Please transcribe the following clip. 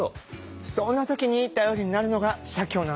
そんな時に頼りになるのが社協なんですよね。